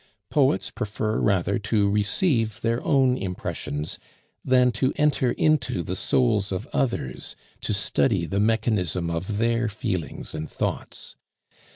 Poets prefer rather to receive their own impressions than to enter into the souls of others to study the mechanism of their feelings and thoughts.